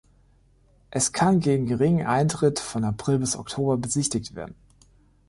Es kann gegen geringen Eintritt von April bis Oktober besichtigt werden.